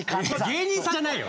芸人さんじゃないよ。